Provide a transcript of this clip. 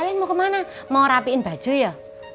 kalian mau kemana mau rapiin baju ya